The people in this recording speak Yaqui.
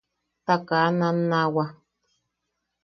Ta kaa nannawa.